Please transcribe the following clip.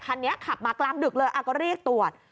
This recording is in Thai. คันนี้ขับมากลางดึกเลยก็เรียกตรวจ